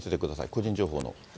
個人情報の。